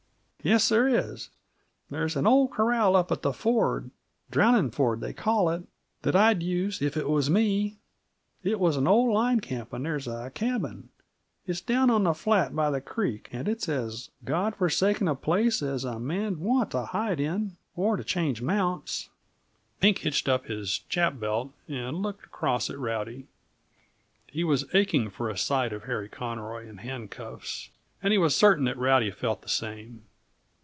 "Yes, there is. There's an old corral up at the ford Drowning Ford, they call it that I'd use, if it was me. It was an old line camp, and there's a cabin. It's down on the flat by the creek, and it's as God forsaken a place as a man'd want t' hide in, or t' change mounts." Pink hitched up his chapbelt and looked across at Rowdy. He was aching for a sight of Harry Conroy in handcuffs, and he was certain that Rowdy felt the same.